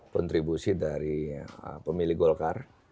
kontribusi dari pemilih golkar